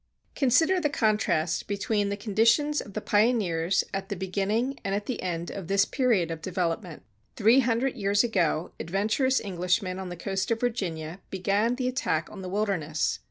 Consider the contrast between the conditions of the pioneers at the beginning and at the end of this period of development. Three hundred years ago adventurous Englishmen on the coast of Virginia began the attack on the wilderness.